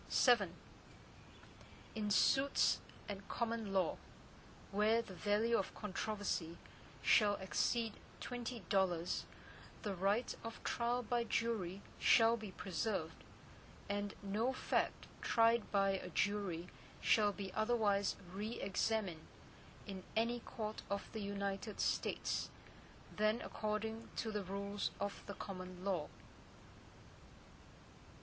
VII In suits at common law, where the value in controversy shall exceed twenty dollars, the right of trial by jury shall be preserved, and no fact tried by a jury shall be otherwise re examined in any court of the United States, than according to the rules of the common law.